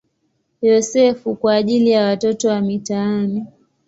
Yosefu" kwa ajili ya watoto wa mitaani.